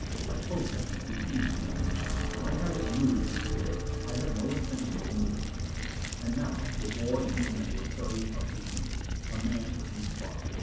I protested vehemently: "I haven't moved, you fool. I have no intention of moving." And now De Boer and his men were carrying up the ingots. A man for each bar.